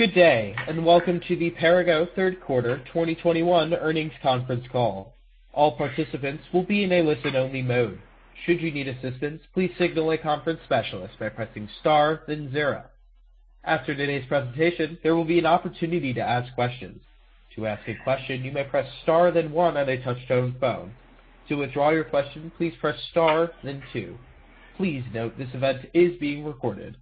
Good day, and welcome to the Perrigo third quarter 2021 earnings conference call. All participants will be in a listen-only mode. Should you need assistance, please signal a conference specialist by pressing star then zero. After today's presentation, there will be an opportunity to ask questions. To ask a question, you may press star then one on a touch-tone phone. To withdraw your question, please press star then two. Please note this event is being recorded.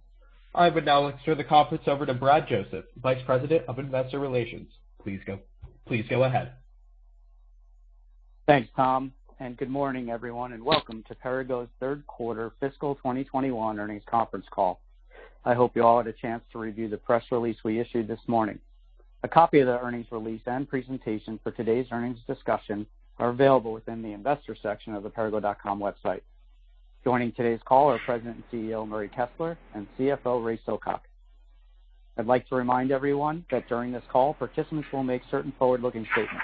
I would now like to turn the conference over to Brad Joseph, Vice President of Investor Relations. Please go ahead. Thanks, Tom, and good morning, everyone, and welcome to Perrigo's third quarter fiscal 2021 earnings conference call. I hope you all had a chance to review the press release we issued this morning. A copy of the earnings release and presentation for today's earnings discussion are available within the investor section of the perrigo.com website. Joining today's call are President and CEO Murray Kessler and CFO Ray Silcock. I'd like to remind everyone that during this call, participants will make certain forward-looking statements.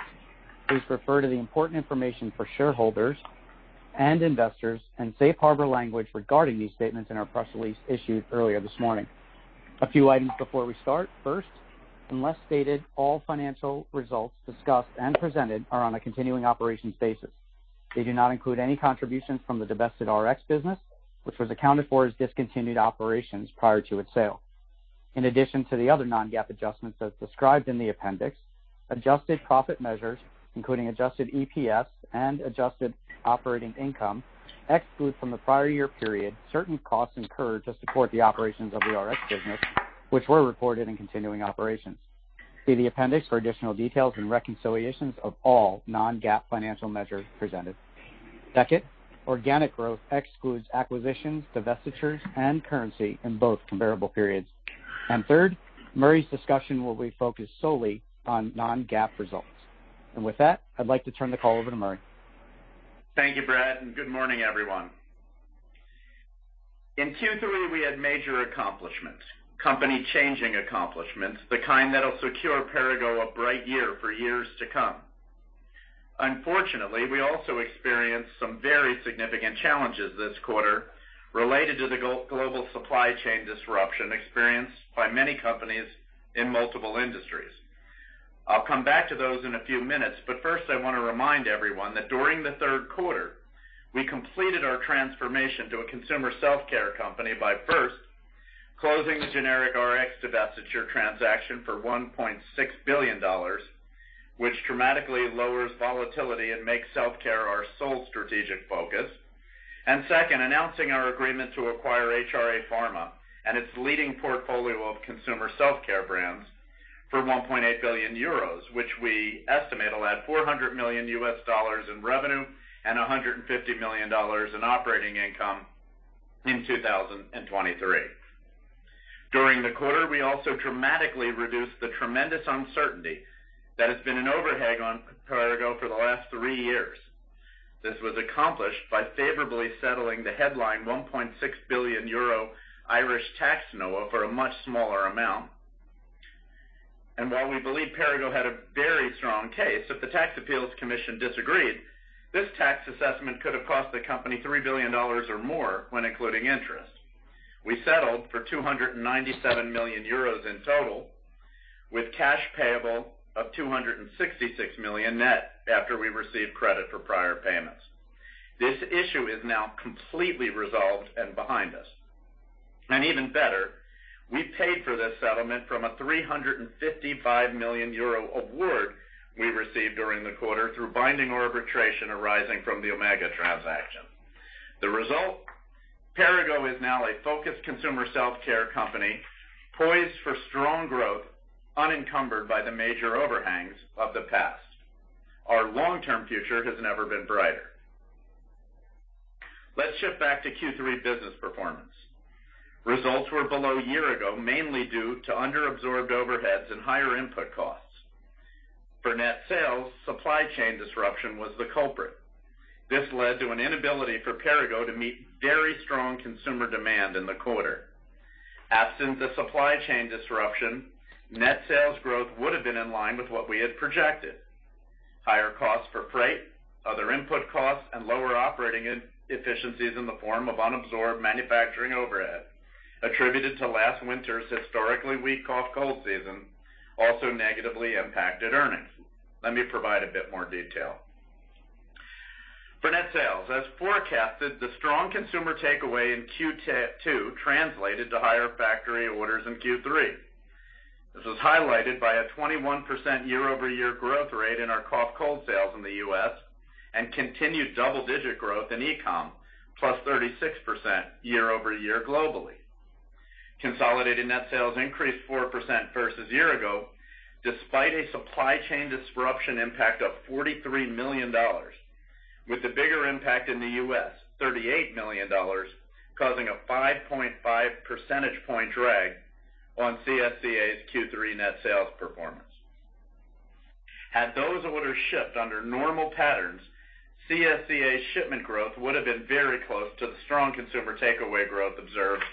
Please refer to the important information for shareholders and investors and Safe Harbor language regarding these statements in our press release issued earlier this morning. A few items before we start. First, unless stated, all financial results discussed and presented are on a continuing operations basis. They do not include any contributions from the divested Rx business, which was accounted for as discontinued operations prior to its sale. In addition to the other non-GAAP adjustments as described in the appendix, adjusted profit measures, including adjusted EPS and adjusted operating income, exclude from the prior year period certain costs incurred to support the operations of the Rx business, which were reported in continuing operations. See the appendix for additional details and reconciliations of all non-GAAP financial measures presented. Second, organic growth excludes acquisitions, divestitures, and currency in both comparable periods. Third, Murray's discussion will be focused solely on non-GAAP results. With that, I'd like to turn the call over to Murray. Thank you, Brad, and good morning, everyone. In Q3, we had major accomplishments, company-changing accomplishments, the kind that'll secure Perrigo a bright year for years to come. Unfortunately, we also experienced some very significant challenges this quarter related to the global supply chain disruption experienced by many companies in multiple industries. I'll come back to those in a few minutes, but first, I wanna remind everyone that during the third quarter, we completed our transformation to a consumer self-care company by, first, closing the generic Rx divestiture transaction for $1.6 billion, which dramatically lowers volatility and makes self-care our sole strategic focus. Second, announcing our agreement to acquire HRA Pharma and its leading portfolio of consumer self-care brands for 1.8 billion euros, which we estimate will add $400 million in revenue and $150 million in operating income in 2023. During the quarter, we also dramatically reduced the tremendous uncertainty that has been an overhang on Perrigo for the last three years. This was accomplished by favorably settling the headline 1.6 billion euro Irish tax NoA for a much smaller amount. While we believe Perrigo had a very strong case, if the Tax Appeals Commission disagreed, this tax assessment could have cost the company $3 billion or more when including interest. We settled for 297 million euros in total, with cash payable of 266 million net after we received credit for prior payments. This issue is now completely resolved and behind us. Even better, we paid for this settlement from a 355 million euro award we received during the quarter through binding arbitration arising from the Omega transaction. The result, Perrigo is now a focused consumer self-care company poised for strong growth unencumbered by the major overhangs of the past. Our long-term future has never been brighter. Let's shift back to Q3 business performance. Results were below year ago, mainly due to under-absorbed overheads and higher input costs. For net sales, supply chain disruption was the culprit. This led to an inability for Perrigo to meet very strong consumer demand in the quarter. Absent the supply chain disruption, net sales growth would have been in line with what we had projected. Higher costs for freight, other input costs, and lower operating efficiencies in the form of unabsorbed manufacturing overhead attributed to last winter's historically weak cough, cold season also negatively impacted earnings. Let me provide a bit more detail. For net sales, as forecasted, the strong consumer takeaway in Q2 translated to higher factory orders in Q3. This was highlighted by a 21% year-over-year growth rate in our cough, cold sales in the U.S. and continued double-digit growth in e-com, plus 36% year-over-year globally. Consolidated net sales increased 4% versus year ago, despite a supply chain disruption impact of $43 million, with the bigger impact in the U.S., $38 million, causing a 5.5 percentage point drag on CSCA's Q3 net sales performance. Had those orders shipped under normal patterns, CSCA's shipment growth would have been very close to the strong consumer takeaway growth observed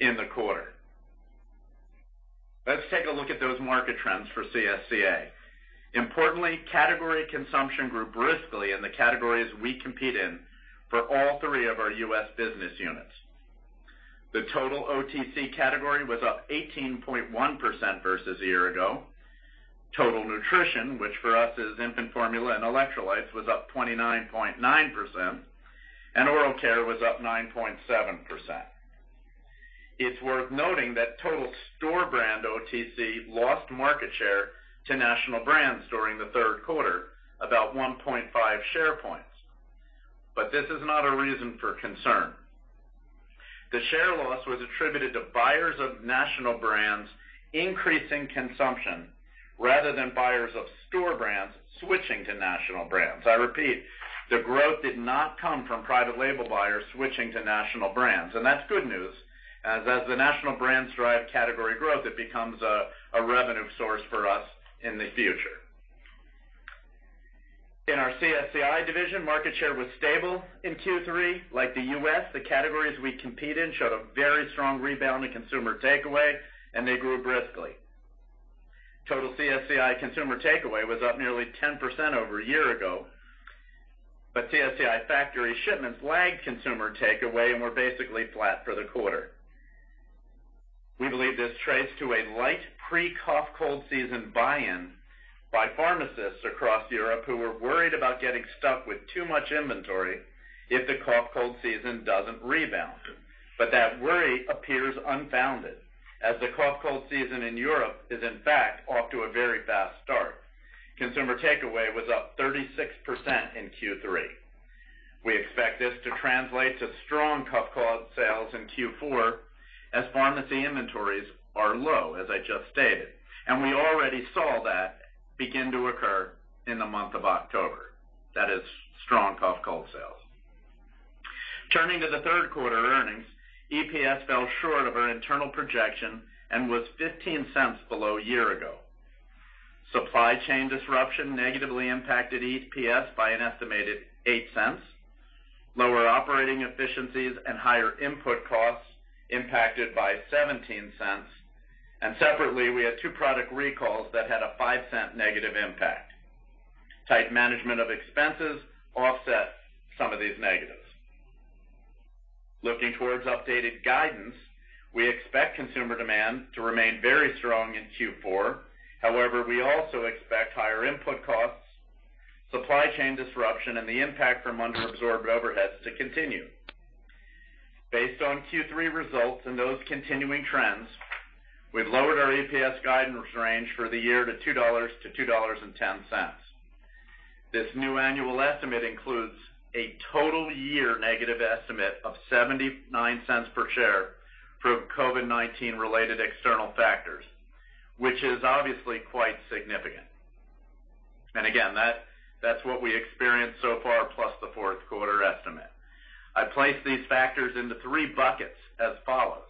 in the quarter. Let's take a look at those market trends for CSCA. Importantly, category consumption grew briskly in the categories we compete in for all three of our U.S. business units. The total OTC category was up 18.1% versus a year ago. Total nutrition, which for us is infant formula and electrolytes, was up 29.9%, and oral care was up 9.7%. It's worth noting that total store brand OTC lost market share to national brands during the third quarter, about one point five share points. This is not a reason for concern. The share loss was attributed to buyers of national brands increasing consumption rather than buyers of store brands switching to national brands. I repeat, the growth did not come from private label buyers switching to national brands, and that's good news as the national brands drive category growth, it becomes a revenue source for us in the future. In our CSCI division, market share was stable in Q3. Like the U.S., the categories we compete in showed a very strong rebound in consumer takeaway, and they grew briskly. Total CSCI consumer takeaway was up nearly 10% over a year ago, but CSCI factory shipments lagged consumer takeaway and were basically flat for the quarter. We believe this traces to a light pre-cough, cold season buy-in by pharmacists across Europe who were worried about getting stuck with too much inventory if the cough, cold season doesn't rebound. That worry appears unfounded, as the cough, cold season in Europe is, in fact, off to a very fast start. Consumer takeaway was up 36% in Q3. We expect this to translate to strong cough, cold sales in Q4 as pharmacy inventories are low, as I just stated, and we already saw that begin to occur in the month of October. That is strong cough, cold sales. Turning to the third quarter earnings, EPS fell short of our internal projection and was $0.15 below a year ago. Supply chain disruption negatively impacted EPS by an estimated $0.08. Lower operating efficiencies and higher input costs impacted by $0.17. Separately, we had two product recalls that had a $0.05 negative impact. Tight management of expenses offset some of these negatives. Looking towards updated guidance, we expect consumer demand to remain very strong in Q4. However, we also expect higher input costs, supply chain disruption, and the impact from under-absorbed overheads to continue. Based on Q3 results and those continuing trends, we've lowered our EPS guidance range for the year to $2.00-$2.10. This new annual estimate includes a total year negative estimate of $0.79 per share from COVID-19 related external factors, which is obviously quite significant. Again, that's what we experienced so far, plus the fourth quarter estimate. I place these factors into three buckets as follows.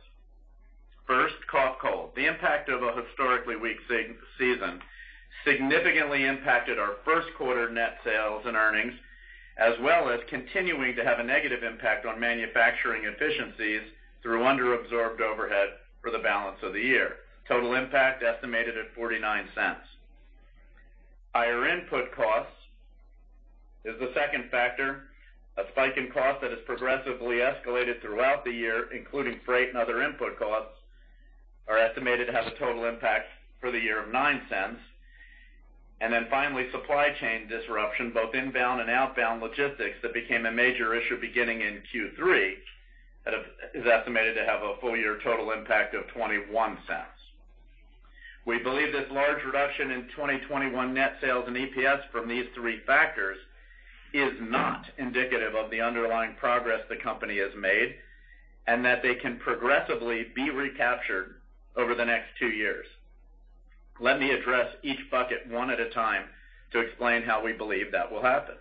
First, cough, cold. The impact of a historically weak sick season significantly impacted our first quarter net sales and earnings, as well as continuing to have a negative impact on manufacturing efficiencies through under-absorbed overhead for the balance of the year. Total impact estimated at $0.49. Higher input costs is the second factor. A spike in cost that has progressively escalated throughout the year, including freight and other input costs, are estimated to have a total impact for the year of $0.09. Finally, supply chain disruption, both inbound and outbound logistics that became a major issue beginning in Q3, is estimated to have a full year total impact of $0.21. We believe this large reduction in 2021 net sales and EPS from these three factors is not indicative of the underlying progress the company has made and that they can progressively be recaptured over the next two years. Let me address each bucket one at a time to explain how we believe that will happen.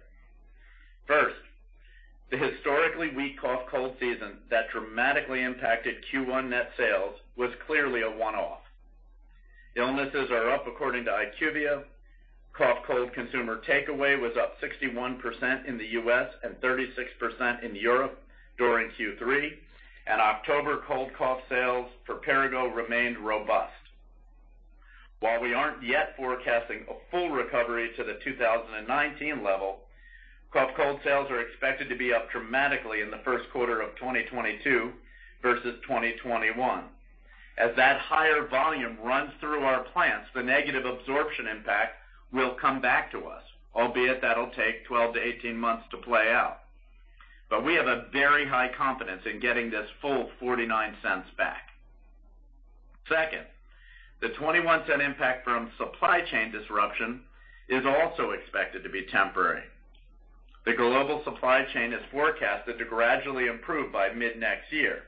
First, the historically weak cough, cold season that dramatically impacted Q1 net sales was clearly a one-off. Illnesses are up according to IQVIA. Cough, cold consumer takeaway was up 61% in the U.S. and 36% in Europe during Q3. October cold cough sales for Perrigo remained robust. While we aren't yet forecasting a full recovery to the 2019 level, cough, cold sales are expected to be up dramatically in the first quarter of 2022 versus 2021. As that higher volume runs through our plants, the negative absorption impact will come back to us, albeit that'll take 12-18 months to play out. We have a very high confidence in getting this full $0.49 back. Second, the $0.21 impact from supply chain disruption is also expected to be temporary. The global supply chain is forecasted to gradually improve by mid-next year.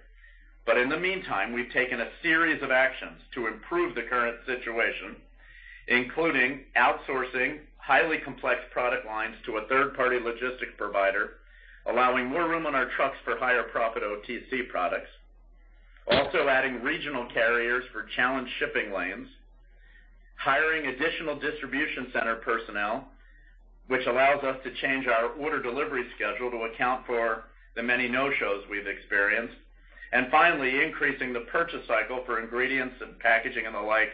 In the meantime, we've taken a series of actions to improve the current situation, including outsourcing highly complex product lines to a third-party logistics provider, allowing more room on our trucks for higher profit OTC products, also adding regional carriers for challenged shipping lanes, hiring additional distribution center personnel, which allows us to change our order delivery schedule to account for the many no-shows we've experienced, and finally increasing the purchase cycle for ingredients and packaging and the like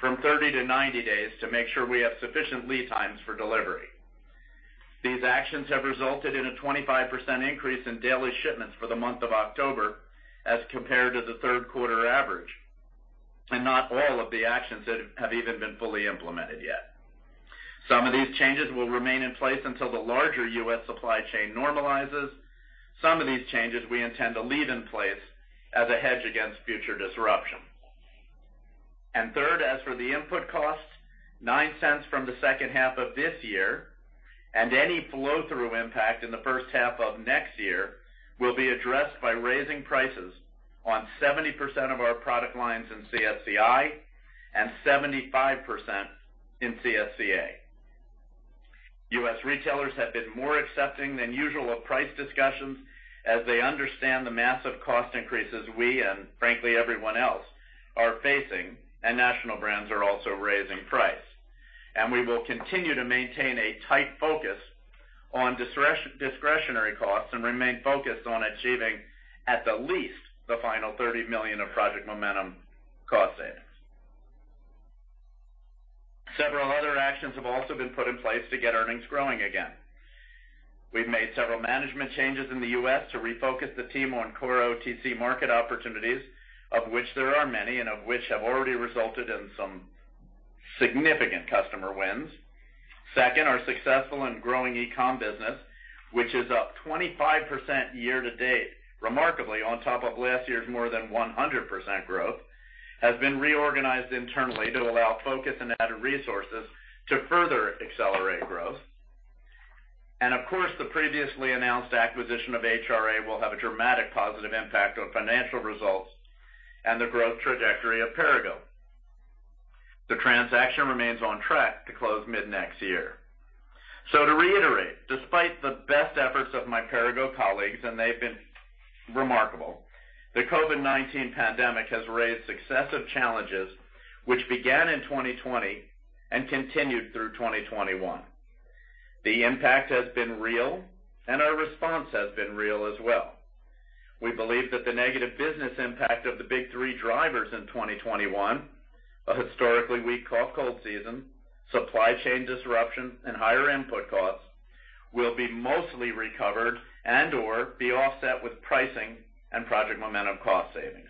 from 30 to 90 days to make sure we have sufficient lead times for delivery. These actions have resulted in a 25% increase in daily shipments for the month of October as compared to the third quarter average, and not all of the actions that have even been fully implemented yet. Some of these changes will remain in place until the larger U.S. supply chain normalizes. Some of these changes we intend to leave in place as a hedge against future disruption. Third, as for the input costs, $0.09 from the second half of this year, and any flow-through impact in the first half of next year will be addressed by raising prices on 70% of our product lines in CSCI and 75% in CSCA. U.S. retailers have been more accepting than usual of price discussions as they understand the massive cost increases we and frankly, everyone else are facing, and national brands are also raising price. We will continue to maintain a tight focus on discretionary costs and remain focused on achieving at the least the final $30 million of Project Momentum cost savings. Several other actions have also been put in place to get earnings growing again. We've made several management changes in the U.S. to refocus the team on core OTC market opportunities, of which there are many and of which have already resulted in some significant customer wins. Second, our successful and growing e-com business, which is up 25% year to date, remarkably, on top of last year's more than 100% growth, has been reorganized internally to allow focus and added resources to further accelerate growth. Of course, the previously announced acquisition of HRA will have a dramatic positive impact on financial results and the growth trajectory of Perrigo. The transaction remains on track to close mid-next year. To reiterate, despite the best efforts of my Perrigo colleagues, and they've been remarkable, the COVID-19 pandemic has raised successive challenges, which began in 2020 and continued through 2021. The impact has been real, and our response has been real as well. We believe that the negative business impact of the big three drivers in 2021, a historically weak cough, cold season, supply chain disruption, and higher input costs, will be mostly recovered and or be offset with pricing and Project Momentum cost savings.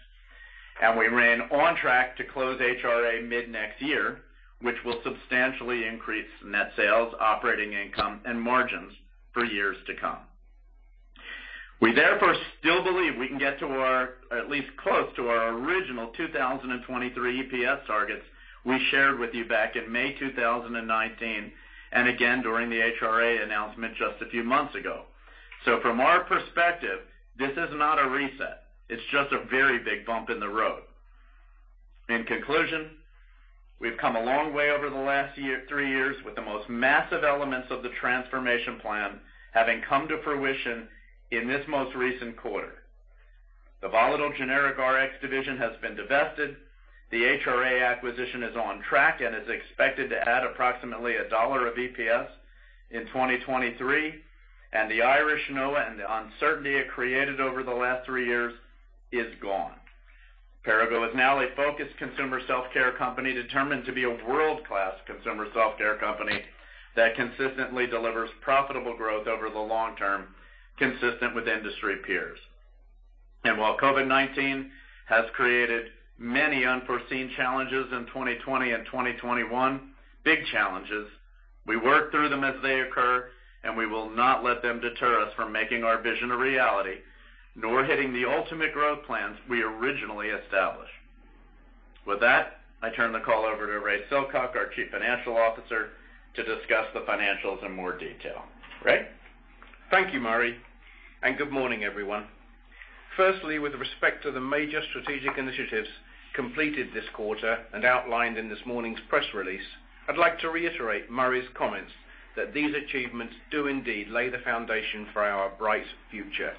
We remain on track to close HRA mid-next year, which will substantially increase net sales, operating income, and margins for years to come. We therefore still believe we can get to our, at least close to our original 2023 EPS targets we shared with you back in May 2019, and again during the HRA announcement just a few months ago. From our perspective, this is not a reset. It's just a very big bump in the road. In conclusion, we've come a long way over the last year, three years, with the most massive elements of the transformation plan having come to fruition in this most recent quarter. The volatile generic Rx division has been divested. The HRA acquisition is on track and is expected to add approximately $1 of EPS in 2023. The Irish NoA and the uncertainty it created over the last three years is gone. Perrigo is now a focused consumer self-care company determined to be a world-class consumer self-care company that consistently delivers profitable growth over the long term, consistent with industry peers. While COVID-19 has created many unforeseen challenges in 2020 and 2021, big challenges, we work through them as they occur, and we will not let them deter us from making our vision a reality, nor hitting the ultimate growth plans we originally established. With that, I turn the call over to Ray Silcock, our Chief Financial Officer, to discuss the financials in more detail. Ray. Thank you, Murray, and good morning, everyone. Firstly, with respect to the major strategic initiatives completed this quarter and outlined in this morning's press release, I'd like to reiterate Murray's comments that these achievements do indeed lay the foundation for our bright future.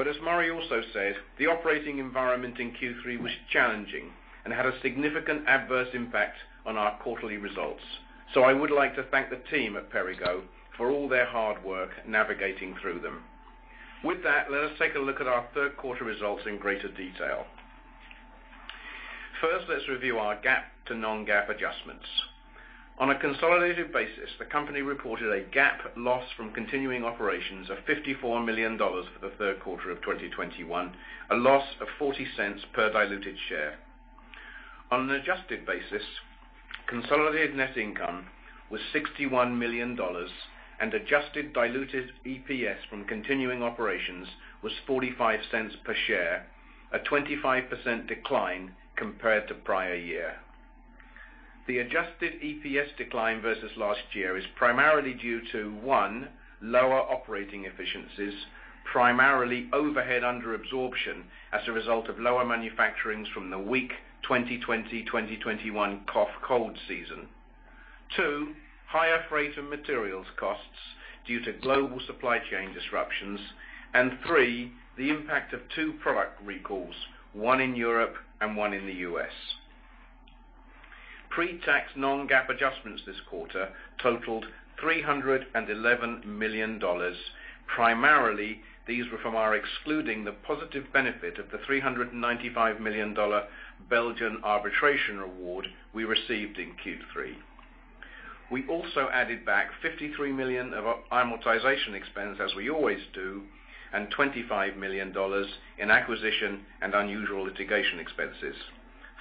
As Murray also said, the operating environment in Q3 was challenging and had a significant adverse impact on our quarterly results. I would like to thank the team at Perrigo for all their hard work navigating through them. With that, let us take a look at our third quarter results in greater detail. First, let's review our GAAP to non-GAAP adjustments. On a consolidated basis, the company reported a GAAP loss from continuing operations of $54 million for the third quarter of 2021, a loss of $0.40 per diluted share. On an adjusted basis, consolidated net income was $61 million, and adjusted diluted EPS from continuing operations was $0.45 per share, a 25% decline compared to prior year. The adjusted EPS decline versus last year is primarily due to, one, lower operating efficiencies, primarily overhead under absorption as a result of lower manufacturing from the weak 2020-2021 cough, cold season. Two, higher freight and materials costs due to global supply chain disruptions. Three, the impact of two product recalls, one in Europe and one in the U.S. Pre-tax non-GAAP adjustments this quarter totaled $311 million. Primarily, these were from excluding the positive benefit of the $395 million Belgian arbitration award we received in Q3. We also added back $53 million of our amortization expense as we always do, and $25 million in acquisition and unusual litigation expenses.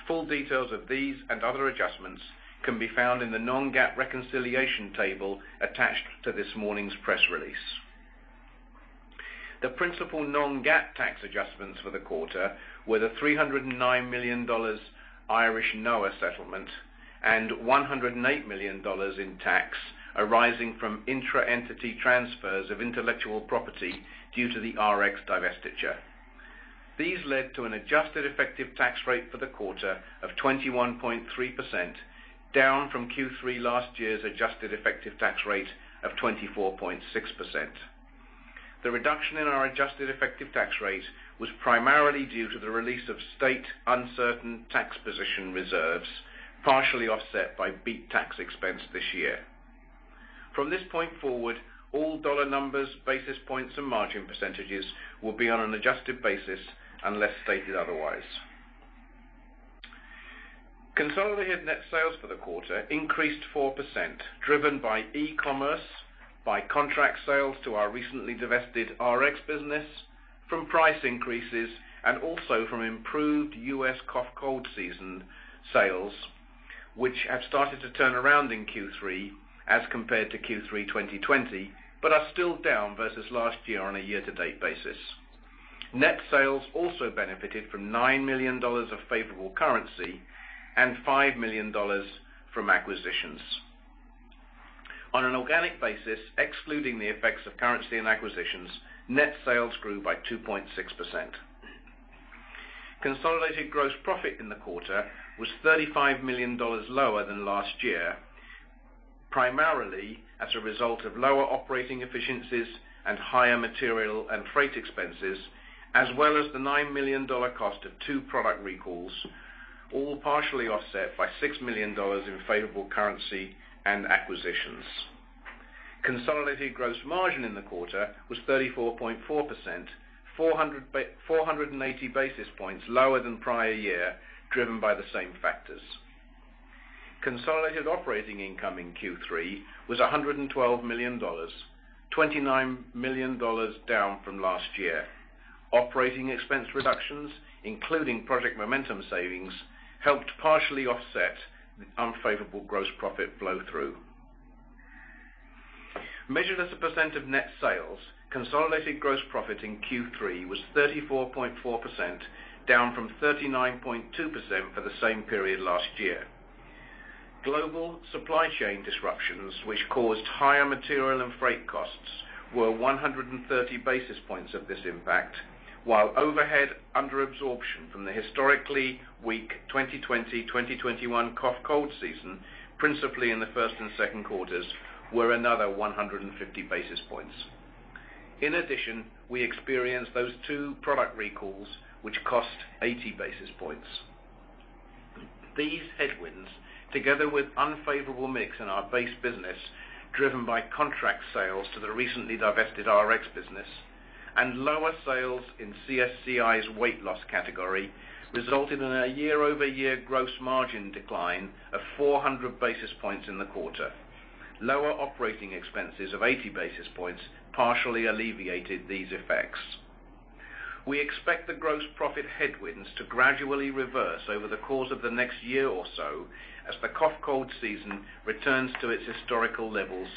Full details of these and other adjustments can be found in the non-GAAP reconciliation table attached to this morning's press release. The principal non-GAAP tax adjustments for the quarter were the $309 million Irish NoA settlement and $108 million in tax arising from intra-entity transfers of intellectual property due to the Rx divestiture. These led to an adjusted effective tax rate for the quarter of 21.3%, down from Q3 last year's adjusted effective tax rate of 24.6%. The reduction in our adjusted effective tax rate was primarily due to the release of state uncertain tax position reserves, partially offset by BEAT tax expense this year. From this point forward, all dollar numbers, basis points, and margin percentages will be on an adjusted basis unless stated otherwise. Consolidated net sales for the quarter increased 4%, driven by eCommerce, by contract sales to our recently divested Rx business from price increases, and also from improved U.S. cough, cold season sales, which have started to turn around in Q3 as compared to Q3 2020, but are still down versus last year on a year-to-date basis. Net sales also benefited from $9 million of favorable currency and $5 million from acquisitions. On an organic basis, excluding the effects of currency and acquisitions, net sales grew by 2.6%. Consolidated gross profit in the quarter was $35 million lower than last year, primarily as a result of lower operating efficiencies and higher material and freight expenses, as well as the $9 million cost of two product recalls, all partially offset by $6 million in favorable currency and acquisitions. Consolidated gross margin in the quarter was 34.4%, 480 basis points lower than prior year, driven by the same factors. Consolidated operating income in Q3 was $112 million, $29 million down from last year. Operating expense reductions, including Project Momentum savings, helped partially offset the unfavorable gross profit flow through. Measured as a percent of net sales, consolidated gross profit in Q3 was 34.4%, down from 39.2% for the same period last year. Global supply chain disruptions, which caused higher material and freight costs, were 130 basis points of this impact, while overhead under absorption from the historically weak 2020, 2021 cough, cold season, principally in the first and second quarters, were another 150 basis points. In addition, we experienced those two product recalls which cost 80 basis points. These headwinds, together with unfavorable mix in our base business, driven by contract sales to the recently divested Rx business and lower sales in CSCI's weight loss category, resulted in a year-over-year gross margin decline of 400 basis points in the quarter. Lower operating expenses of 80 basis points partially alleviated these effects. We expect the gross profit headwinds to gradually reverse over the course of the next year or so as the cough, cold season returns to its historical levels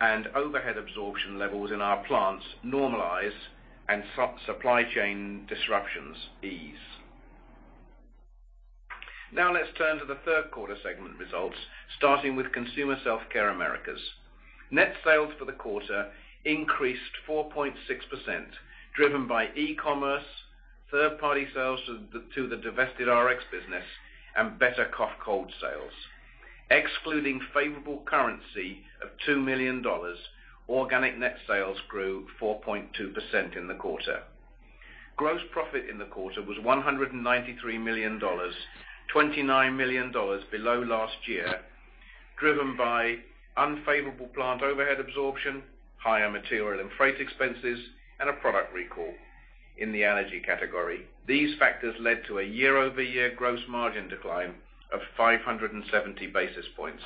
and overhead absorption levels in our plants normalize and supply chain disruptions ease. Now let's turn to the third quarter segment results, starting with Consumer Self-Care Americas. Net sales for the quarter increased 4.6%, driven by eCommerce, third-party sales to the divested Rx business, and better cough, cold sales. Excluding favorable currency of $2 million, organic net sales grew 4.2% in the quarter. Gross profit in the quarter was $193 million, $29 million below last year, driven by unfavorable plant overhead absorption, higher material and freight expenses, and a product recall in the allergy category. These factors led to a year-over-year gross margin decline of 570 basis points.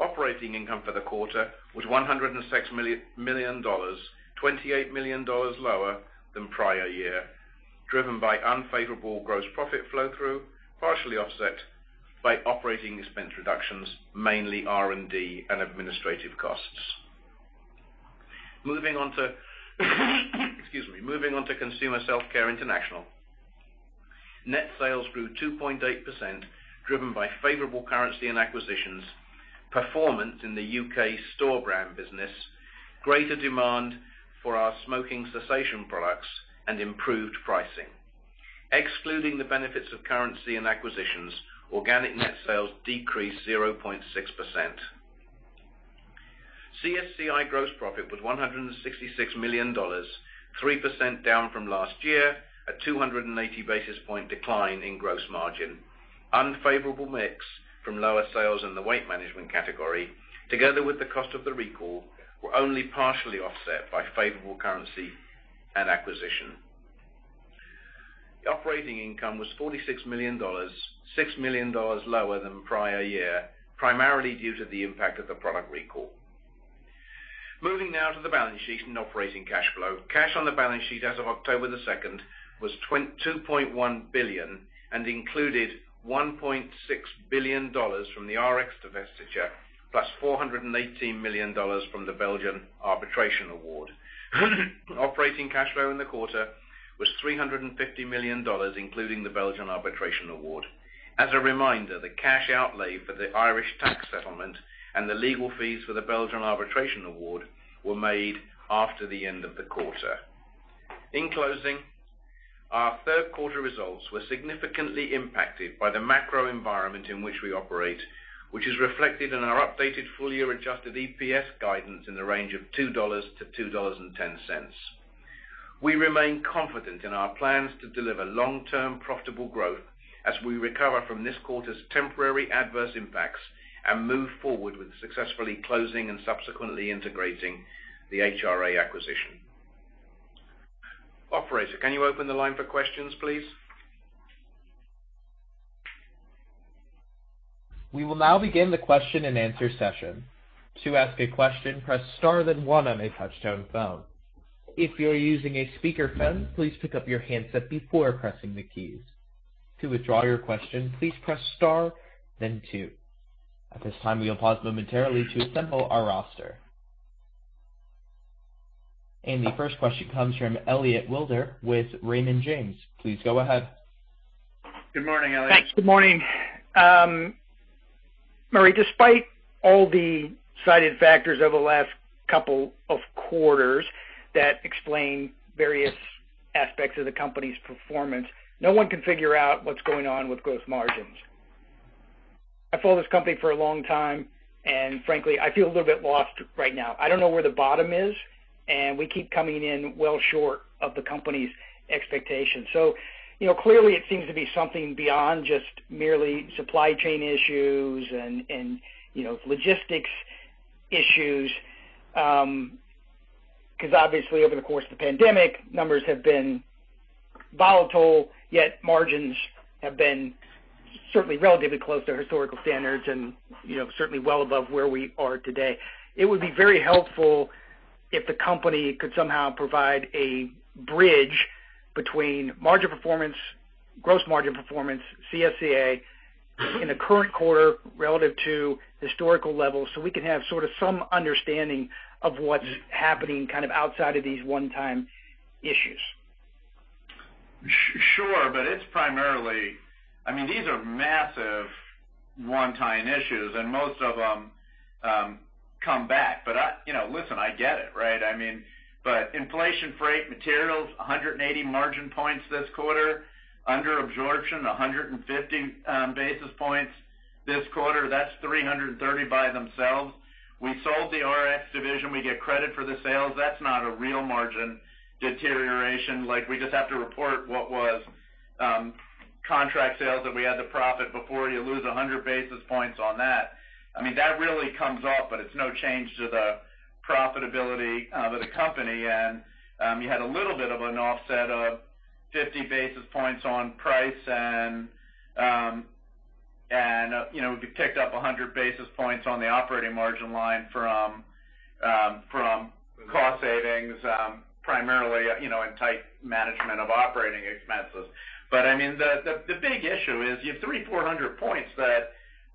Operating income for the quarter was $106 million, $28 million lower than prior year, driven by unfavorable gross profit flow through, partially offset by operating expense reductions, mainly R&D and administrative costs. Moving on to Consumer Self-Care International. Net sales grew 2.8%, driven by favorable currency and acquisitions, performance in the U.K. store brand business, greater demand for our smoking cessation products, and improved pricing. Excluding the benefits of currency and acquisitions, organic net sales decreased 0.6%. CSCI gross profit was $166 million, 3% down from last year, a 280 basis point decline in gross margin. Unfavorable mix from lower sales in the weight management category, together with the cost of the recall, were only partially offset by favorable currency and acquisition. Operating income was $46 million, $6 million lower than prior year, primarily due to the impact of the product recall. Moving now to the balance sheet and operating cash flow. Cash on the balance sheet as of October 2nd was $2.1 billion and included $1.6 billion from the Rx divestiture, plus $418 million from the Belgian arbitration award. Operating cash flow in the quarter was $350 million, including the Belgian arbitration award. As a reminder, the cash outlay for the Irish tax settlement and the legal fees for the Belgian arbitration award were made after the end of the quarter. In closing, our third quarter results were significantly impacted by the macro environment in which we operate, which is reflected in our updated full-year adjusted EPS guidance in the range of $2-$2.10. We remain confident in our plans to deliver long-term profitable growth as we recover from this quarter's temporary adverse impacts and move forward with successfully closing and subsequently integrating the HRA acquisition. Operator, can you open the line for questions, please? We will now begin the question-and-answer session. To ask a question, press star then one on a touch-tone phone. If you are using a speakerphone, please pick up your handset before pressing the keys. To withdraw your question, please press star then two. At this time, we will pause momentarily to assemble our roster. The first question comes from Elliot Wilbur with Raymond James. Please go ahead. Good morning, Elliot. Thanks. Good morning. Murray, despite all the cited factors over the last couple of quarters that explain various aspects of the company's performance, no one can figure out what's going on with gross margins. I followed this company for a long time, and frankly, I feel a little bit lost right now. I don't know where the bottom is, and we keep coming in well short of the company's expectations. You know, clearly it seems to be something beyond just merely supply chain issues and you know, logistics issues, 'cause obviously, over the course of the pandemic, numbers have been volatile, yet margins have been certainly relatively close to historical standards and you know, certainly well above where we are today. It would be very helpful if the company could somehow provide a bridge between margin performance, gross margin performance, CSCA in the current quarter relative to historical levels, so we can have sort of some understanding of what's happening kind of outside of these one-time issues. Sure. It's primarily—I mean, these are massive one-time issues, and most of them come back. I—you know, listen, I get it, right? I mean, inflation, freight, materials, 180 margin points this quarter. Under absorption, 150 basis points this quarter. That's 330 by themselves. We sold the Rx division. We get credit for the sales. That's not a real margin deterioration. Like, we just have to report what was contract sales that we had to profit before you lose 100 basis points on that. I mean, that really comes off, but it's no change to the profitability of the company. You had a little bit of an offset of 50 basis points on price and, you know, we picked up 100 basis points on the operating margin line from cost savings, primarily, you know, in tight management of operating expenses. I mean, the big issue is you have 300-400 points that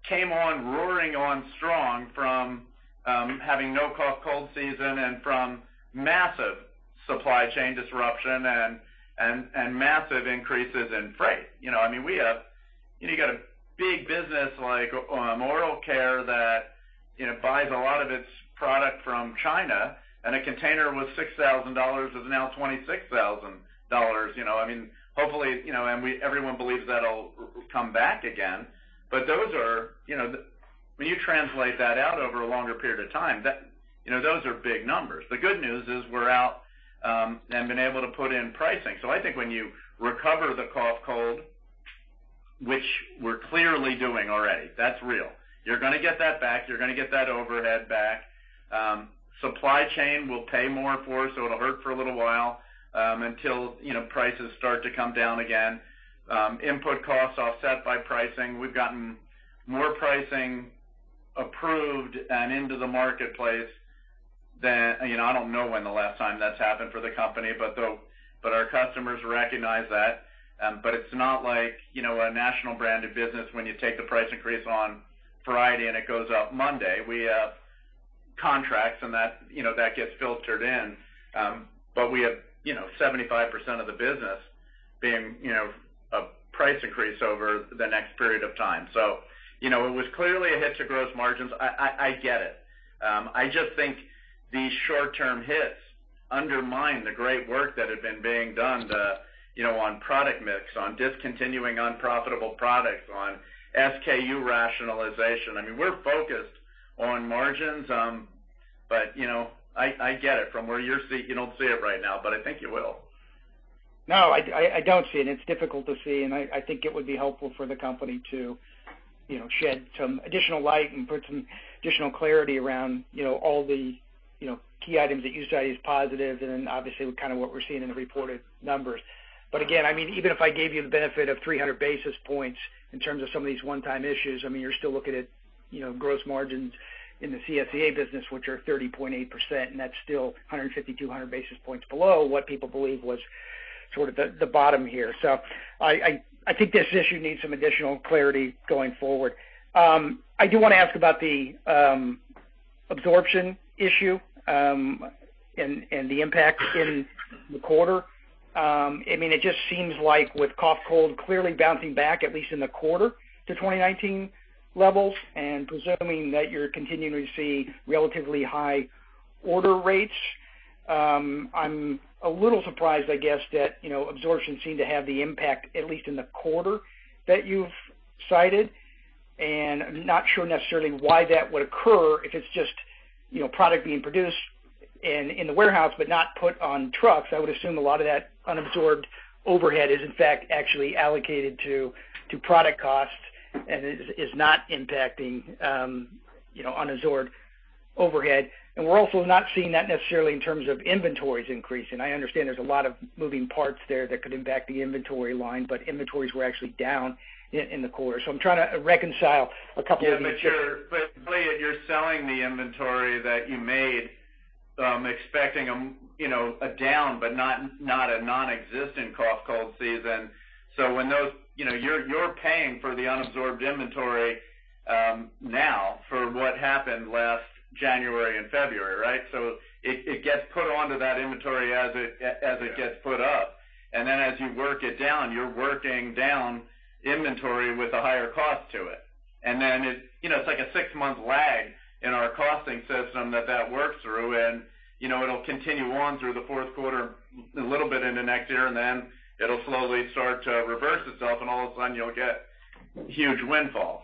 came roaring in strong from having no cough, cold season and from massive supply chain disruption and massive increases in freight. You know, I mean, you got a big business like oral care that, you know, buys a lot of its product from China, and a container was $6,000 is now $26,000. You know, I mean, hopefully, you know, everyone believes that'll come back again. Those are, you know. When you translate that out over a longer period of time, that those are big numbers. The good news is we're out and been able to put in pricing. I think when you recover the cough, cold, which we're clearly doing already, that's real. You're gonna get that back. You're gonna get that overhead back. Supply chain will pay more for, so it'll hurt for a little while until prices start to come down again. Input costs offset by pricing. We've gotten more pricing approved and into the marketplace than. You know, I don't know when the last time that's happened for the company. Our customers recognize that. But it's not like, you know, a national brand of business when you take the price increase on Friday and it goes up Monday. We have contracts and that, you know, that gets filtered in. We have, you know, 75% of the business being, you know, a price increase over the next period of time. You know, it was clearly a hit to gross margins. I get it. I just think these short-term hits undermine the great work that had been being done, the, you know, on product mix, on discontinuing unprofitable products, on SKU rationalization. I mean, we're focused on margins. You know, I get it. From where you sit, you don't see it right now, but I think you will. No, I don't see it, and it's difficult to see. I think it would be helpful for the company to, you know, shed some additional light and put some additional clarity around, you know, all the, you know, key items that you cited as positive and then obviously kind of what we're seeing in the reported numbers. Again, I mean, even if I gave you the benefit of 300 basis points in terms of some of these one-time issues, I mean, you're still looking at, you know, gross margins in the CSCA business, which are 30.8%, and that's still 150-200 basis points below what people believe was sort of the bottom here. I think this issue needs some additional clarity going forward. I do want to ask about the absorption issue and the impact in the quarter. I mean, it just seems like with cough, cold, clearly bouncing back at least in the quarter to 2019 levels, and presuming that you're continuing to see relatively high order rates, I'm a little surprised, I guess, that, you know, absorption seemed to have the impact, at least in the quarter, that you've cited. I'm not sure necessarily why that would occur if it's just, you know, product being produced in the warehouse but not put on trucks. I would assume a lot of that unabsorbed overhead is in fact actually allocated to product costs and is not impacting unabsorbed overhead. We're also not seeing that necessarily in terms of inventories increasing. I understand there's a lot of moving parts there that could impact the inventory line, but inventories were actually down in the quarter. I'm trying to reconcile a couple of these- Elliot, you're selling the inventory that you made, expecting, you know, a down but not a nonexistent cough, cold season. When those, you know, you're paying for the unabsorbed inventory now for what happened last January and February, right? It gets put onto that inventory as it gets put up. As you work it down, you're working down inventory with a higher cost to it. You know, it's like a six month lag in our costing system that works through, you know, it'll continue on through the fourth quarter, a little bit in the next year, and then it'll slowly start to reverse itself, and all of a sudden you'll get huge windfalls.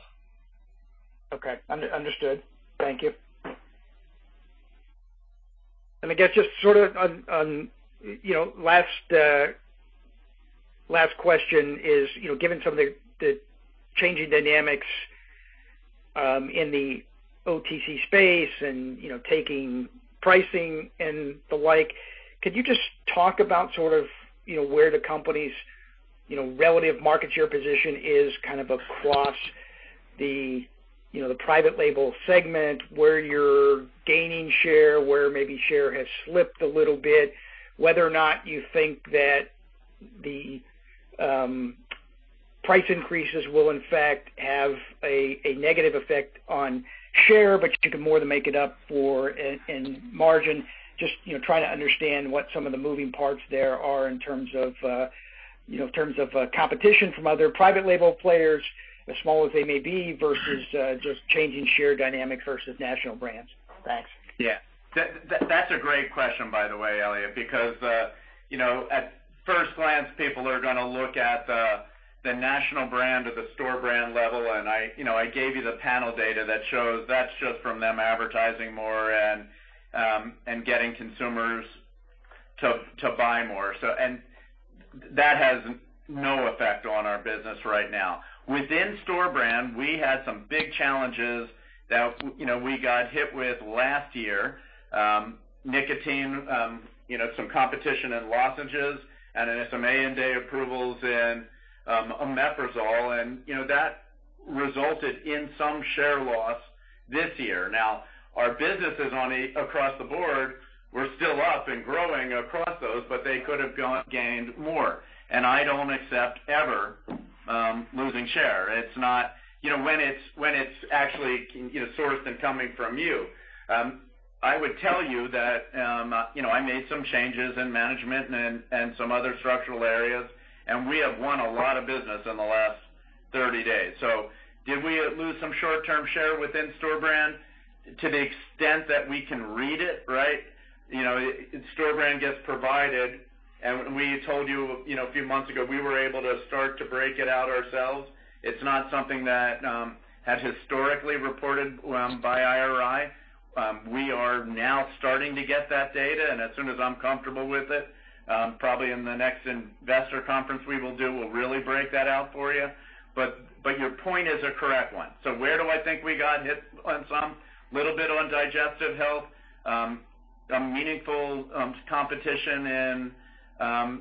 Okay. Understood. Thank you. I guess just sort of on you know last question is you know given some of the changing dynamics in the OTC space and you know taking pricing and the like, could you just talk about sort of you know where the company's you know relative market share position is kind of across the you know the private label segment, where you're gaining share, where maybe share has slipped a little bit, whether or not you think that the price increases will in fact have a negative effect on share, but you can more than make it up for in margin. Just, you know, trying to understand what some of the moving parts there are in terms of competition from other private label players, as small as they may be, versus just changing share dynamics versus national brands. Thanks. Yeah. That's a great question, by the way, Elliot, because, you know, at first glance, people are gonna look at the national brand or the store brand level. I, you know, I gave you the panel data that shows that's just from them advertising more and getting consumers to buy more. And that has no effect on our business right now. Within store brand, we had some big challenges that, you know, we got hit with last year. Nicotine, you know, some competition in lozenges and then some ANDA approvals in OMEPRAZOLE. You know, that resulted in some share loss this year. Now, our businesses across the board were still up and growing across those, but they could have gained more. I don't accept ever losing share. It's not... You know, when it's actually, you know, sourced and coming from you. I would tell you that, you know, I made some changes in management and some other structural areas, and we have won a lot of business in the last 30 days. Did we lose some short-term share within store brand? To the extent that we can read it, right? You know, it. Store brand gets provided, and we told you know, a few months ago, we were able to start to break it out ourselves. It's not something that has historically reported by IRI. We are now starting to get that data, and as soon as I'm comfortable with it, probably in the next investor conference we will do, we'll really break that out for you. But your point is a correct one. Where do I think we got hit on some? A little bit on digestive health. A meaningful competition in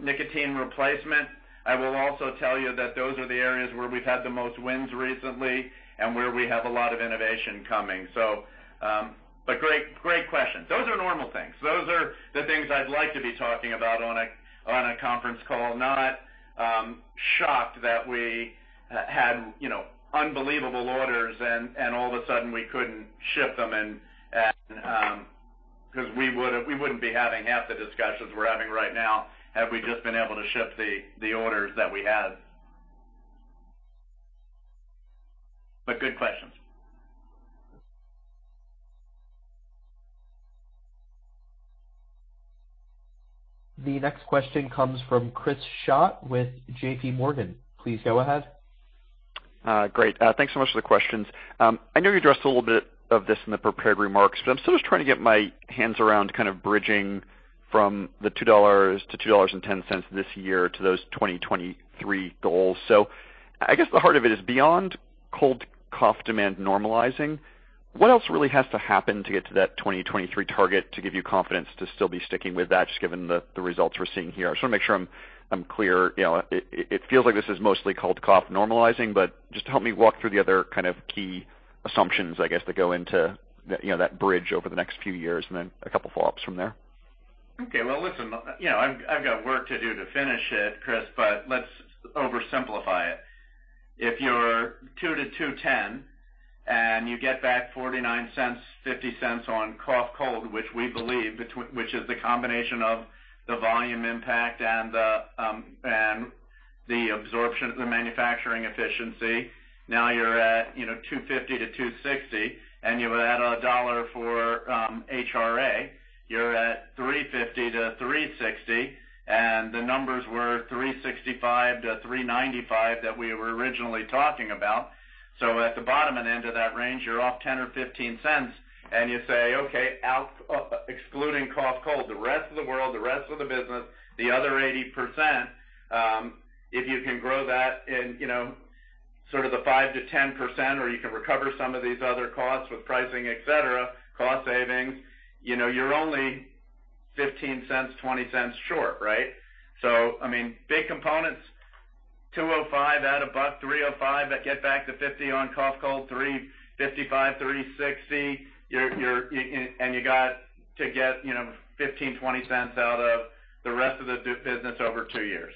nicotine replacement. I will also tell you that those are the areas where we've had the most wins recently and where we have a lot of innovation coming. Great question. Those are normal things. Those are the things I'd like to be talking about on a conference call, not shocked that we had, you know, unbelievable orders and 'cause we wouldn't be having half the discussions we're having right now had we just been able to ship the orders that we had. Good questions. The next question comes from Chris Schott with JPMorgan. Please go ahead. Great. Thanks so much for the questions. I know you addressed a little bit of this in the prepared remarks, but I'm still just trying to get my hands around kind of bridging from the $2-$2.10 this year to those 2023 goals. I guess the heart of it is beyond cold, cough demand normalizing, what else really has to happen to get to that 2023 target to give you confidence to still be sticking with that, just given the results we're seeing here? I just wanna make sure I'm clear. You know, it feels like this is mostly cold, cough normalizing, but just help me walk through the other kind of key assumptions, I guess, that go into, you know, that bridge over the next few years and then a couple follow-ups from there. Okay. Well, listen, you know, I've got work to do to finish it, Chris, but let's oversimplify it. If you're $2.00-$2.10 and you get back $0.49, $0.50 on cough, cold, which we believe which is the combination of the volume impact and the and the absorption, the manufacturing efficiency. Now you're at, you know, $2.50-$2.60, and you add a dollar for HRA, you're at $3.50-$3.60, and the numbers were $3.65-$3.95 that we were originally talking about. At the bottom end of that range, you're off $0.10 or $0.15 and you say, okay, excluding cough, cold, the rest of the world, the rest of the business, the other 80%, if you can grow that in, you know, sort of the 5%-10% or you can recover some of these other costs with pricing, et cetera, cost savings, you know, you're only $0.15, $0.20 short, right? I mean, big components, $2.05 at a buck, $3.05 that get back to 50 on cough, cold, $3.55, $3.60. You're and you got to get, you know, $0.15, $0.20 out of the rest of the business over two years.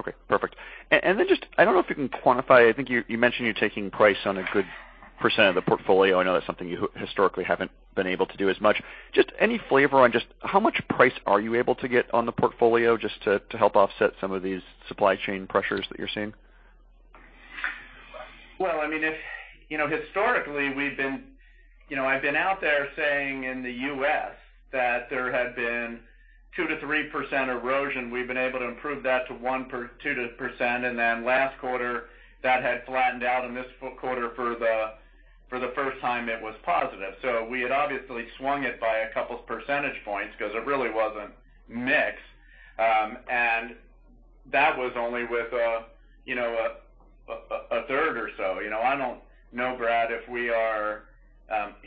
Okay. Perfect. I don't know if you can quantify. I think you mentioned you're taking price on a good percent of the portfolio. I know that's something you historically haven't been able to do as much. Just any flavor on just how much price are you able to get on the portfolio just to help offset some of these supply chain pressures that you're seeing? You know, historically, you know, I've been out there saying in the U.S. that there had been 2%-3% erosion. We've been able to improve that to 1%-2%. Then last quarter, that had flattened out. In this full quarter, for the first time it was positive. We had obviously swung it by a couple percentage points 'cause it really wasn't mixed. That was only with you know, 1/3 or so. You know, I don't know, Brad, if we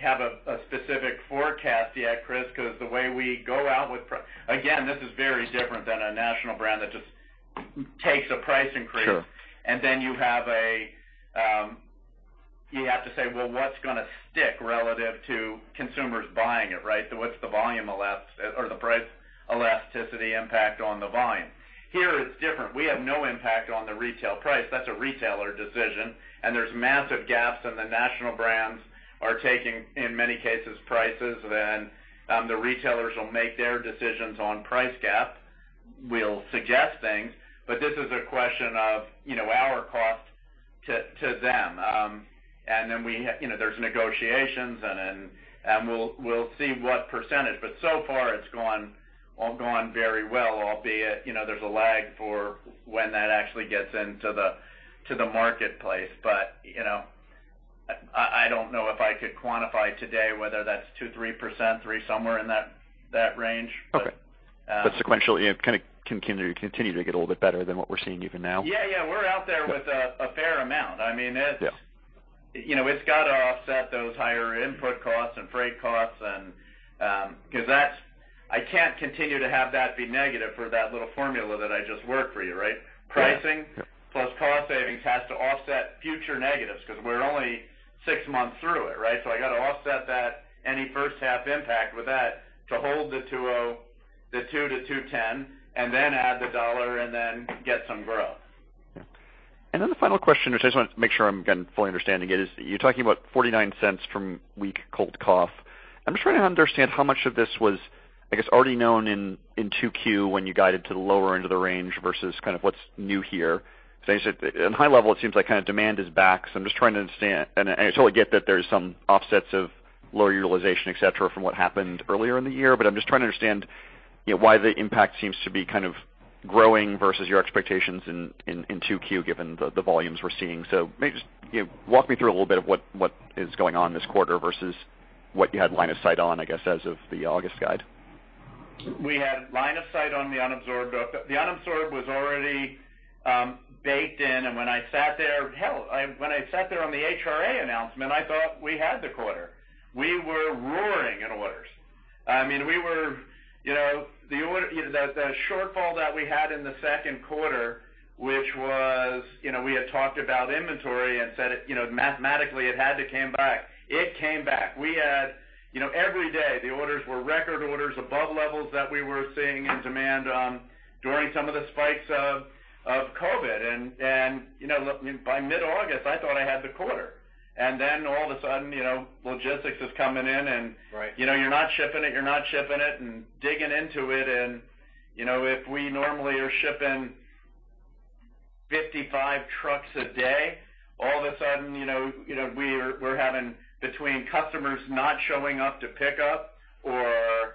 have a specific forecast yet, Chris, 'cause the way we go out with pricing. This is very different than a national brand that just takes a price increase. Sure. You have to say, well, what's gonna stick relative to consumers buying it, right? So what's the price elasticity impact on the volume? Here, it's different. We have no impact on the retail price. That's a retailer decision. There's massive gaps, and the national brands are taking, in many cases, prices. The retailers will make their decisions on price gaps. We'll suggest things, but this is a question of, you know, our cost to them. You know, there's negotiations and then we'll see what percentage. But so far, it's all gone very well, albeit, you know, there's a lag for when that actually gets into the marketplace. You know, I don't know if I could quantify today whether that's 2%-3%, somewhere in that range. Okay. Sequentially, it kind of can continue to get a little bit better than what we're seeing even now. Yeah, yeah. We're out there with a fair amount. I mean, it's- Yeah. You know, it's gotta offset those higher input costs and freight costs and, 'cause that's, I can't continue to have that be negative for that little formula that I just worked for you, right? Yeah. Pricing plus cost savings has to offset future negatives 'cause we're only six months through it, right? I gotta offset that, any first half impact with that to hold the $2.00-$2.10 and then add the dollar and then get some growth. Yeah. Then the final question, I just want to make sure I'm, again, fully understanding it, is you're talking about $0.49 from weak cold, cough. I'm just trying to understand how much of this was, I guess, already known in 2Q when you guided to the lower end of the range versus kind of what's new here. You said at high level, it seems like kinda demand is back. I'm just trying to understand. I totally get that there's some offsets of lower utilization, et cetera, from what happened earlier in the year. I'm just trying to understand, you know, why the impact seems to be kind of growing versus your expectations in 2Q, given the volumes we're seeing. Can you just, you know, walk me through a little bit of what is going on this quarter versus what you had line of sight on, I guess, as of the August guide? We had line of sight on the unabsorbed. The unabsorbed was already baked in. When I sat there on the HRA announcement, I thought we had the quarter. We were roaring in orders. I mean, you know, the shortfall that we had in the second quarter, which was, you know, we had talked about inventory and said it, you know, mathematically it had to come back. It came back. You know, every day, the orders were record orders above levels that we were seeing in demand during some of the spikes of COVID. You know, by mid-August, I thought I had the quarter. Then all of a sudden, you know, logistics is coming in and- Right. You know, you're not shipping it and digging into it. You know, if we normally are shipping 55 trucks a day, all of a sudden, you know, we're having between customers not showing up to pick up or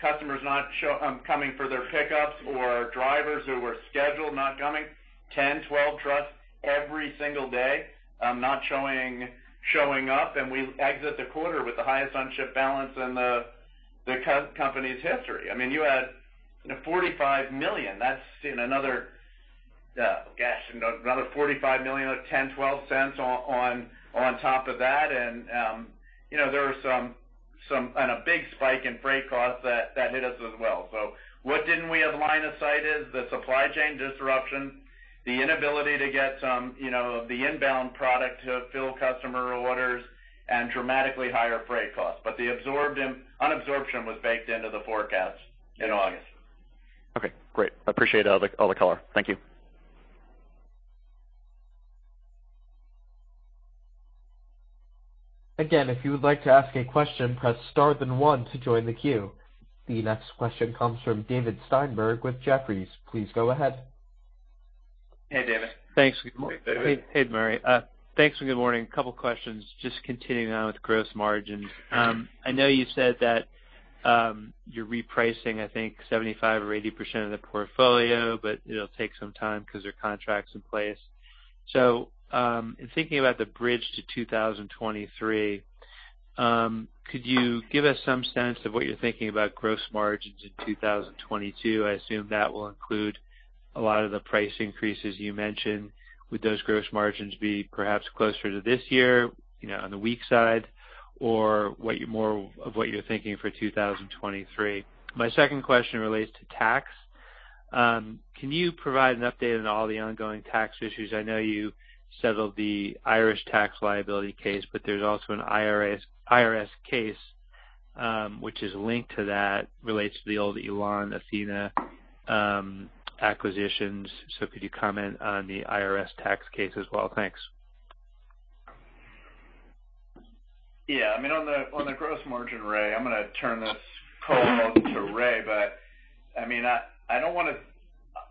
customers coming for their pickups or drivers who were scheduled not coming. 10-12 trucks every single day not showing up. We exit the quarter with the highest unship balance in the company's history. I mean, you had $45 million. That's another $45 million, $0.10-$0.12 on top of that. You know, there are some and a big spike in freight costs that hit us as well. What didn't we have line of sight is the supply chain disruption, the inability to get some, you know, the inbound product to fill customer orders and dramatically higher freight costs. The absorption and unabsorption was baked into the forecast in August. Okay, great. I appreciate all the color. Thank you. The next question comes from David Steinberg with Jefferies. Please go ahead. Hey, David. Thanks. Hey, David. Hey, Murray. Thanks and good morning. A couple questions, just continuing on with gross margins. I know you said that you're repricing, I think 75% or 80% of the portfolio, but it'll take some time because there are contracts in place. In thinking about the bridge to 2023, could you give us some sense of what you're thinking about gross margins in 2022? I assume that will include a lot of the price increases you mentioned. Would those gross margins be perhaps closer to this year, you know, on the weak side or what more of what you're thinking for 2023? My second question relates to tax. Can you provide an update on all the ongoing tax issues? I know you settled the Irish tax liability case, but there's also an IRS case, which is linked to that relates to the old Elan, Athena, acquisitions. Could you comment on the IRS tax case as well? Thanks. Yeah. I mean, on the gross margin, Ray, I'm gonna turn this call to Ray. I mean,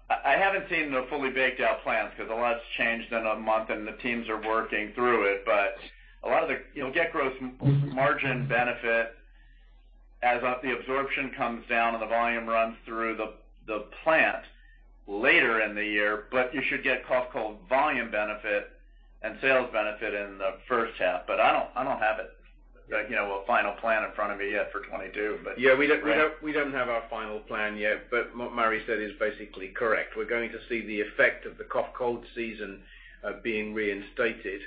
I haven't seen the fully baked out plans because a lot's changed in a month and the teams are working through it. You'll get gross margin benefit as the absorption comes down and the volume runs through the plant later in the year. You should get cough, cold volume benefit and sales benefit in the first half. I don't have it, you know, a final plan in front of me yet for 2022. Yeah, we don't have our final plan yet, but what Murray said is basically correct. We're going to see the effect of the cough, cold season being reinstated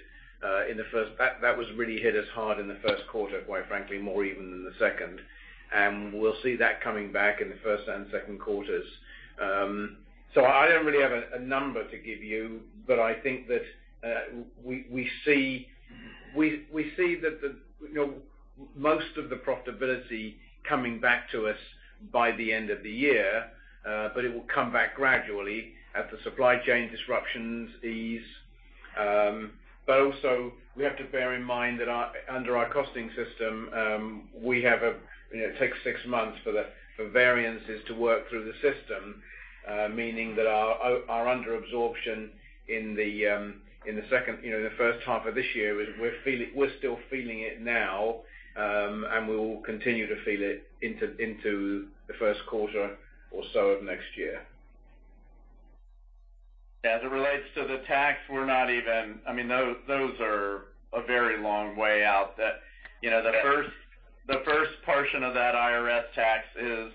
in the first quarter. That really hit us hard in the first quarter, quite frankly, more than even the second. We'll see that coming back in the first and second quarters. So I don't really have a number to give you. But I think that we see that, you know, most of the profitability coming back to us by the end of the year, but it will come back gradually as the supply chain disruptions ease. Also, we have to bear in mind that under our costing system, we have, you know, it takes six months for variances to work through the system, meaning that our under absorption in the second, you know, the first half of this year, we're still feeling it now, and we'll continue to feel it into the first quarter or so of next year. As it relates to the tax, we're not even I mean, those are a very long way out that, you know, the first portion of that IRS tax is,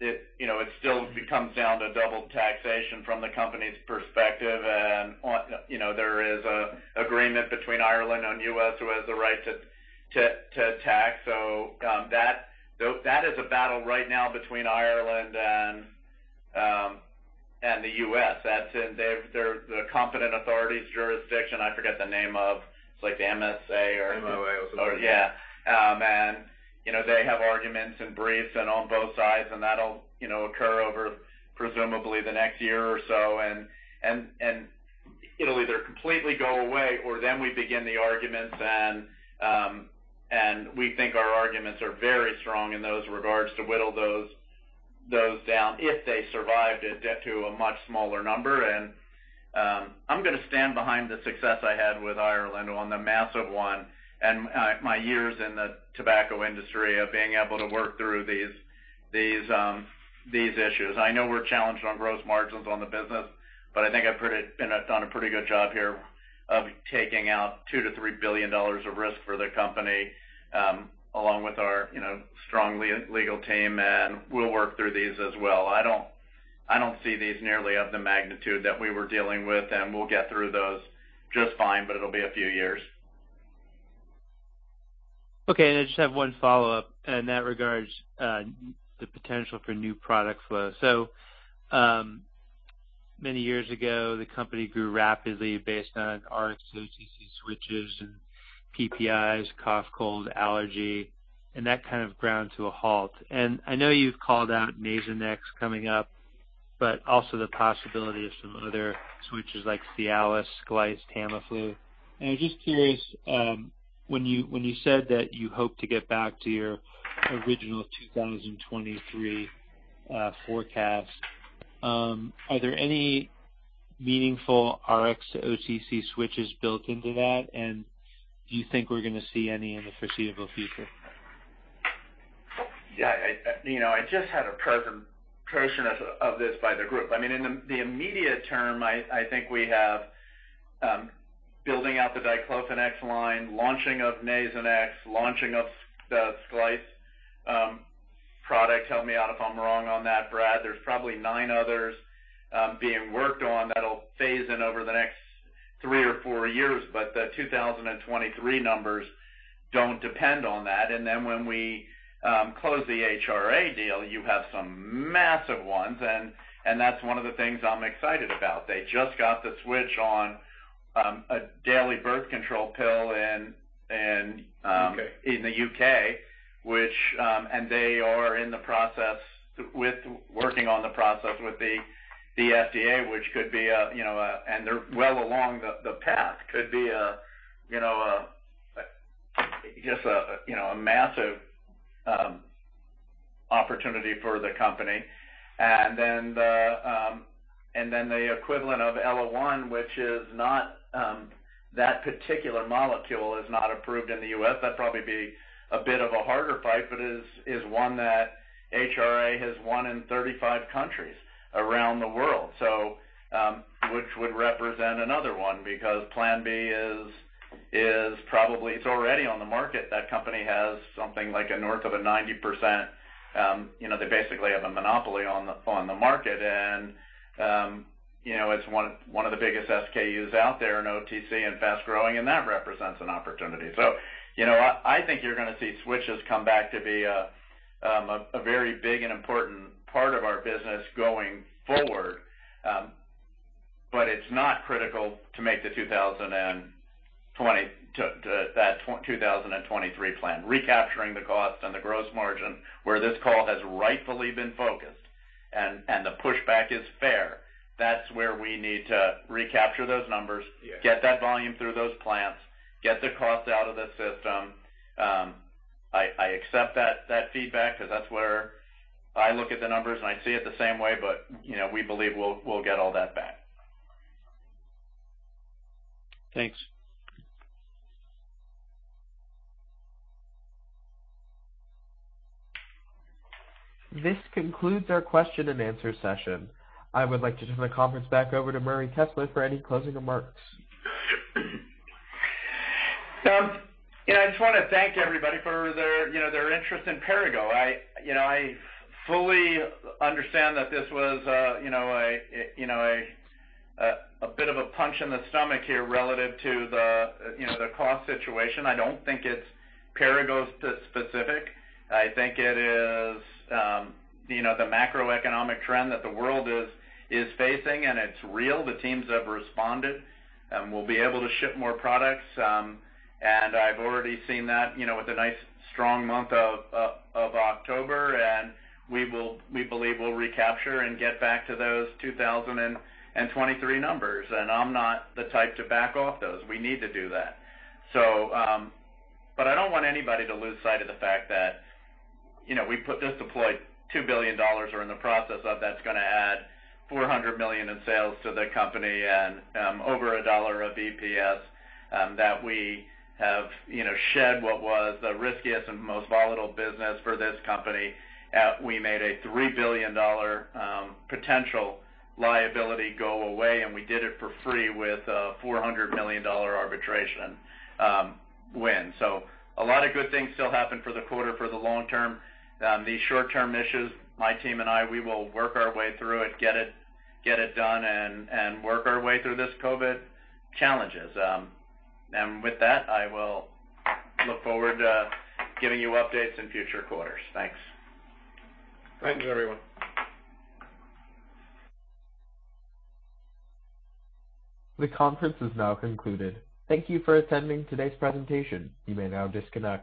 it, you know, it still comes down to double taxation from the company's perspective. You know, there is an agreement between Ireland and U.S. who has the right to tax. That is a battle right now between Ireland and the U.S. They're the competent authorities jurisdiction. I forget the name of. It's like the MSA or- MOA. Oh, yeah. You know, they have arguments and briefs on both sides, and that'll occur over presumably the next year or so. It'll either completely go away or then we begin the arguments, and we think our arguments are very strong in those regards to whittle those down, if they survived it, down to a much smaller number. I'm gonna stand behind the success I had with Ireland on the massive one and my years in the tobacco industry of being able to work through these issues. I know we're challenged on gross margins on the business, but I think I've done a pretty good job here of taking out $2 billion-$3 billion of risk for the company, along with our, you know, strong legal team, and we'll work through these as well. I don't see these nearly of the magnitude that we were dealing with, and we'll get through those just fine, but it'll be a few years. Okay. I just have one follow-up in that regard, the potential for new product flow. Many years ago, the company grew rapidly based on Rx-to-OTC switches and PPIs, cough, cold, allergy, and that kind of ground to a halt. I know you've called out NASONEX coming up. Also the possibility of some other switches like CIALIS, SKLICE, TAMIFLU. I'm just curious, when you said that you hope to get back to your original 2023 forecast, are there any meaningful Rx-to-OTC switches built into that? Do you think we're gonna see any in the foreseeable future? Yeah, You know, I just had a portion of this by the group. I mean, in the immediate term, I think we have building out the diclofenac line, launching of NASONEX, launching of the SKLICE product. Help me out if I'm wrong on that, Brad. There's probably nine others being worked on that'll phase in over the next three or four years, but the 2023 numbers don't depend on that. When we close the HRA deal, you have some massive ones, and that's one of the things I'm excited about. They just got the switch on a daily birth control pill in... U.K. In the U.K., which they are working on the process with the FDA. They're well along the path. Could be just a massive opportunity for the company. Then the equivalent of ELLAONE, which that particular molecule is not approved in the U.S. That'd probably be a bit of a harder fight, but one that HRA has won in 35 countries around the world. Which would represent another one because Plan B is probably already on the market. That company has something like north of a 90%. They basically have a monopoly on the market. You know, it's one of the biggest SKUs out there in OTC and fast-growing, and that represents an opportunity. You know, I think you're gonna see switches come back to be a very big and important part of our business going forward. It's not critical to make the 2023 plan. Recapturing the cost and the gross margin where this call has rightfully been focused and the pushback is fair. That's where we need to recapture those numbers. Yeah. Get that volume through those plants, get the cost out of the system. I accept that feedback because that's where I look at the numbers, and I see it the same way, but you know, we believe we'll get all that back. Thanks. This concludes our question and answer session. I would like to turn the conference back over to Murray Kessler for any closing remarks. You know, I just want to thank everybody for their you know their interest in Perrigo. I you know I fully understand that this was a you know a bit of a punch in the stomach here relative to the you know the cost situation. I don't think it's Perrigo specific. I think it is you know the macroeconomic trend that the world is facing, and it's real. The teams have responded. We'll be able to ship more products. I've already seen that you know with a nice strong month of October. We believe we'll recapture and get back to those 2023 numbers. I'm not the type to back off those. We need to do that. I don't want anybody to lose sight of the fact that, you know, we just deployed $2 billion or in the process of, that's gonna add $400 million in sales to the company and, over $1 of EPS, that we have, you know, shed what was the riskiest and most volatile business for this company. We made a $3 billion potential liability go away, and we did it for free with a $400 million arbitration win. A lot of good things still happened for the quarter for the long term. These short-term issues, my team and I, we will work our way through it, get it done and work our way through this COVID challenges. With that, I will look forward to giving you updates in future quarters. Thanks. Thanks, everyone. The conference is now concluded. Thank you for attending today's presentation. You may now disconnect.